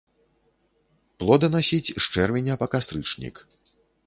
Плоданасіць з чэрвеня па кастрычнік.